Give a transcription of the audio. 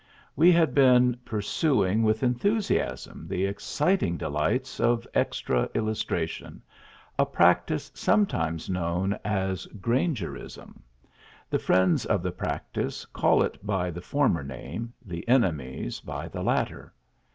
We had been pursuing with enthusiasm the exciting delights of extra illustration, a practice sometimes known as Grangerism; the friends of the practice call it by the former name, the enemies by the latter.